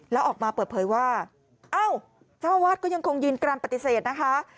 แล้วออกมาเปิดเผยว่าเอ้าเจ้าวาดก็ยังคงยืนกรัมปฏิเสธนะคะ